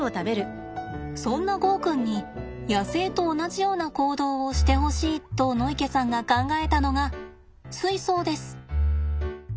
そんなゴーくんに野生と同じような行動をしてほしいと野池さんが考えたのが水槽です。